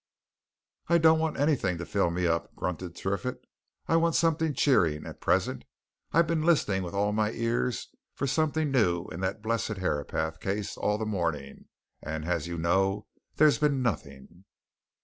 "I don't want anything to fill me up," grunted Triffitt. "I want something cheering at present. I've been listening with all my ears for something new in that blessed Herapath case all the morning, and, as you know, there's been nothing!"